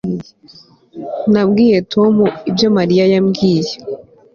Nabwiye Tom ibyo Mariya yambwiye